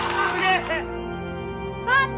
パパ！